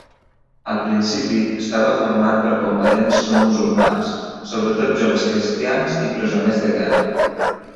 Al principi estava format per combatents no musulmans, sobretot joves cristians i presoners de guerra.